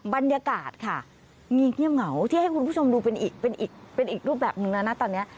บรรยากาศค่ะงีกเงียบเหงาที่จะให้คุณผู้ชมดูเป็นอีกรูปแบบหนึ่งละนะตอนนี้